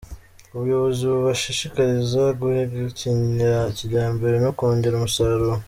Ubuyobozi bubashishikariza guhinga kijyambere no kongera umusaruro.